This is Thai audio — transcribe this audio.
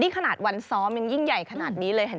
ขนาดวันซ้อมขนาดนี้เลย